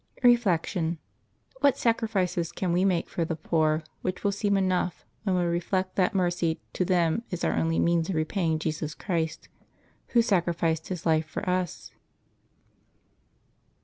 Reflection. — What sacrifices can we make for the poor which will seem enough, when we reflect that mercy to them is our only means of repaying Jesus Christ, Who sacrificed His life for us?